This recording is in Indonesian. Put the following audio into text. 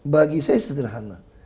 bagi saya sederhana